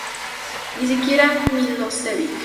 Ni siquiera Milosevic".